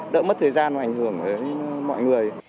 đỡ mất thời gian và ảnh hưởng đến mọi người